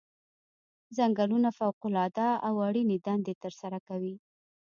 ځنګلونه فوق العاده او اړینې دندې ترسره کوي.